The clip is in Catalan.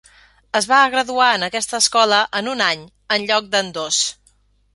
Es va graduar en aquesta escola en un any en lloc d'en dos.